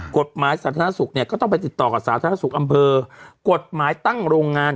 สาธารณสุขเนี่ยก็ต้องไปติดต่อกับสาธารณสุขอำเภอกฎหมายตั้งโรงงาน